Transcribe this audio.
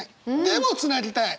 でもつなぎたい！